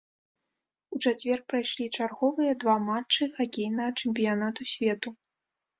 У чацвер прайшлі чарговыя два матчы хакейнага чэмпіянату свету.